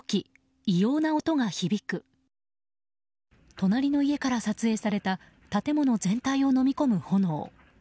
隣の家から撮影された建物全体をのみ込む炎。